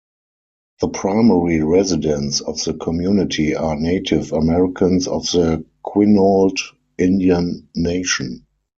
The primary residents of the community are Native Americans of the Quinault Indian Nation.